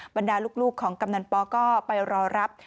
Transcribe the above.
บรรดาลูกของกำนันปก็ไปรอรับ